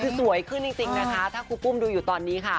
คือสวยขึ้นจริงนะคะถ้าครูปุ้มดูอยู่ตอนนี้ค่ะ